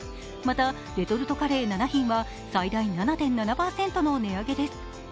またレトルトカレー７品は最大７．７％の値上げです。